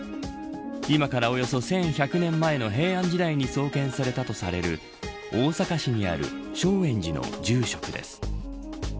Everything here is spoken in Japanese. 今からおよそ１１００年前の平安時代に創建されたとされる大阪市にある正圓寺の住職です。